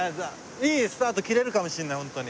いいスタート切れるかもしれないホントに。